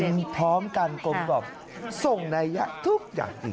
กินพร้อมกันกลมกล่อมส่งในทุกอย่างอีก